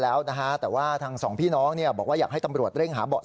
เห็นน้องบอกว่าไม่เคยมีเรื่องใคร